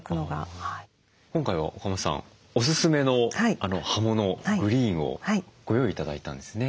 今回は岡本さんおすすめの葉物グリーンをご用意頂いたんですね？